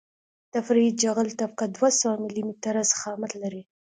د فرعي جغل طبقه دوه سوه ملي متره ضخامت لري